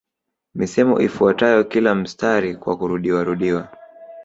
Misemo ifuatayo kila mstari kwa kurudiwarudiwa